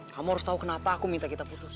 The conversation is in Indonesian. kamu harus tahu kenapa aku minta kita putus